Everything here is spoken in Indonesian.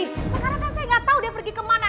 sekarang kan saya gak tahu dia pergi kemana